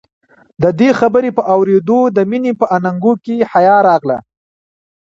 د دې خبرې په اورېدو د مينې په اننګو کې حيا راغله.